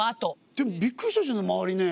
でもびっくりしたでしょうね周りね。